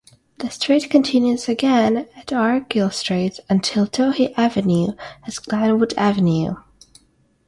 The street continues again at Argyle Street until Touhy Avenue as Glenwood Avenue.